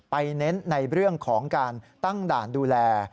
เน้นในเรื่องของการตั้งด่านดูแล